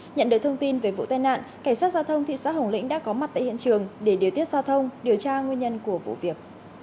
nhận được thông tin về vụ tai nạn cảnh sát giao thông thị xã hồng lĩnh đã có mặt tại hiện trường để điều tiết giao thông điều tra nguyên nhân của vụ việc